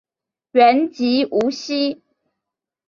原籍无锡。